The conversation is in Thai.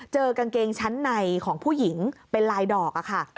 กางเกงชั้นในของผู้หญิงเป็นลายดอกค่ะ